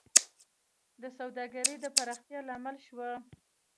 د سوداګرۍ د پراختیا لامل شوه